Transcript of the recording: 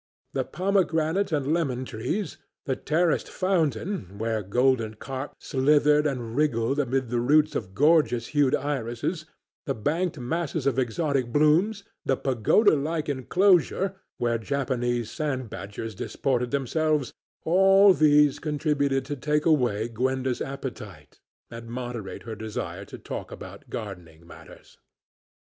The pomegranate and lemon trees, the terraced fountain, where golden carp slithered and wriggled amid the roots of gorgeous hued irises, the banked masses of exotic blooms, the pagoda like enclosure, where Japanese sand badgers disported themselves, all these contributed to take away Gwenda's appetite and moderate her desire to talk about gardening matters.